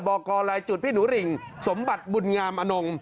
บอกกรลายจุดพี่หนูริงสมบัติบุญงามอนง